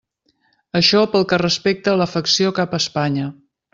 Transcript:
Això pel que respecta a l'afecció cap a Espanya.